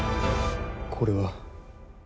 これは。